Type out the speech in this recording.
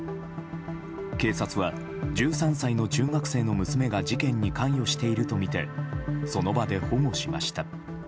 警察は１３歳の中学生の娘が事件に関与しているとみてその場で保護しました。